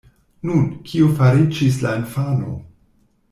Nun, kio fariĝis la infano?